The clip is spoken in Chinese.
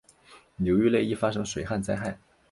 流域内易发生水旱灾害。